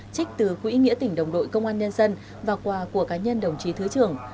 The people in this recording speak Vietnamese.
trích từ quỹ nghĩa tỉnh đồng đội công an nhân dân và quà của cá nhân đồng chí thứ trưởng